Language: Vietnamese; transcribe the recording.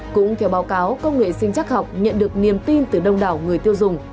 cũng theo báo cáo công nghệ sinh chắc học nhận được niềm tin từ đông đảo người tiêu dùng